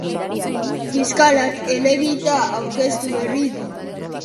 Fiskalak helegitea aurkeztu berri du.